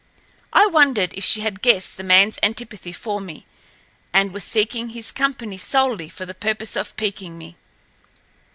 I wondered if she had guessed the manl's antipathy for me, and was seeking his company solely for the purpose of piquing me.